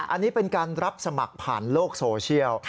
อันนี้เป็นการรับสมัครผ่านโลกโซเชียล